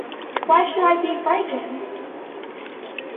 Why should I be frightened!